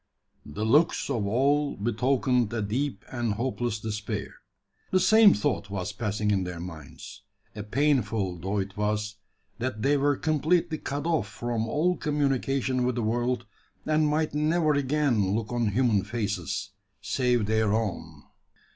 The looks of all betokened a deep and hopeless despair. The same thought was passing in their minds. A painful thought it was that they were completely cut off from all communication with the world, and might never again look on human faces, save their own!